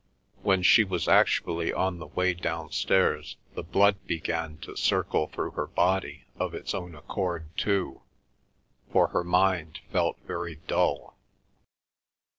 When she was actually on the way downstairs, the blood began to circle through her body of its own accord too, for her mind felt very dull.